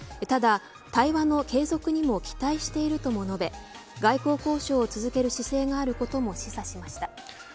ただ、対話の継続にも期待しているとも述べ外交交渉を続ける姿勢があることも示唆しました。